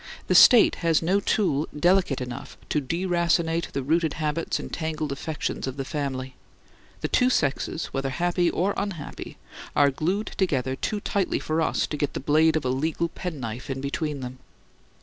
The State has no tool delicate enough to deracinate the rooted habits and tangled affections of the family; the two sexes, whether happy or unhappy, are glued together too tightly for us to get the blade of a legal penknife in between them.